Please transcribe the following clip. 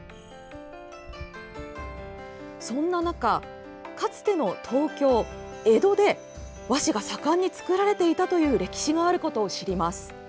そんな中かつての東京、江戸で和紙が盛んに作られていたという歴史があることを知ります。